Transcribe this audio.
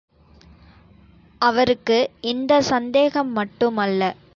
அவருக்கு இந்தச் சந்தேகம் மட்டுமல்ல.